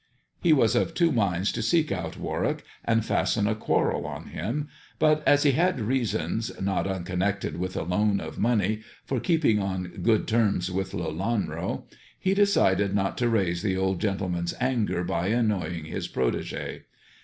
He was of two minds to seek out Warwick, and fasten a quarrel on him, but as he had reasons, not unconnected with a loan of money, for keeping on good terms with Lelanro, he decided not to raise the old gentleman's anger by annoying his protege.